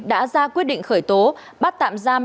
đã ra quyết định khởi tố bắt tạm giam